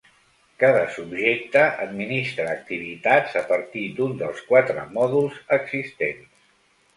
Cada subjecte administra activitats a partir d'un dels quatre mòduls existents.